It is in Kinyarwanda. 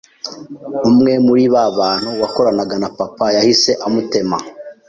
Umwe muri ba bantu wakoranaga na papa yahise amutema